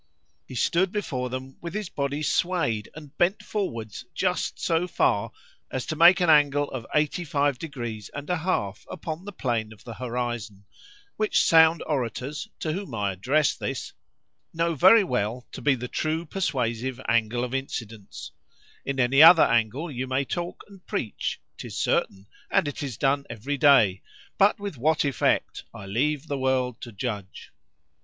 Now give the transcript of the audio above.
He stood before them with his body swayed, and bent forwards just so far, as to make an angle of 85 degrees and a half upon the plain of the horizon;—which sound orators, to whom I address this, know very well to be the true persuasive angle of incidence;—in any other angle you may talk and preach;—'tis certain;—and it is done every day;—but with what effect,—I leave the world to judge!